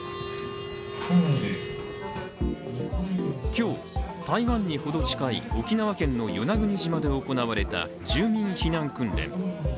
今日、台湾に程近い沖縄県の与那国島で行われた住民避難訓練。